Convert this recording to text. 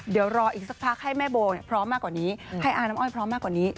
เดี๋ยวรออีกสักพักให้แม่โบพร้อมมากกว่านี้ให้อาน้ำอ้อยพร้อมมากกว่านี้